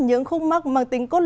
những khung mắc mang tính cốt lực